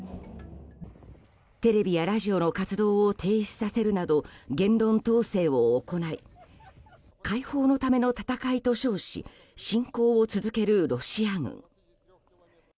テレビやラジオの活動を停止させるなど言論統制を行い解放のための戦いと称し侵攻を続けるロシア軍。